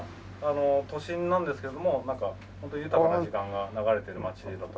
都心なんですけどもホント豊かな時間が流れてる街だと。